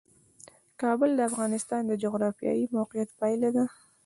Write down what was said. کابل د افغانستان د جغرافیایي موقیعت پایله ده.